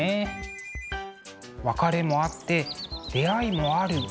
別れもあって出会いもある。